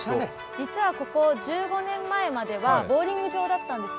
実はここ１５年前まではボウリング場だったんです。